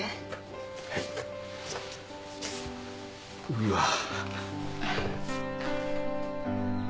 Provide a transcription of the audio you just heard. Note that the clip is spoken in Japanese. うわっ。